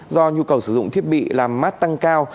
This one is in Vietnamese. do nhu cầu sử dụng thiết bị làm mát tăng cao